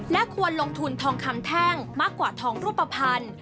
และควรลงทุนทองคำแท่งมากกว่าทองรูปภัณฑ์